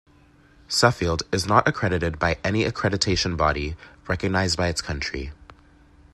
Suffield is not accredited by any accreditation body recognized by its country.